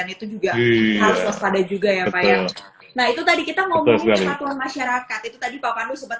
itu juga harus waspada juga ya pak ya nah itu tadi kita ngomong kesatuan masyarakat itu tadi pak pandu sempat